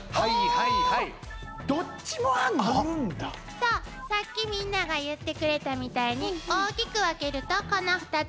さっきみんなが言ってくれたみたいに大きく分けるとこの２つ。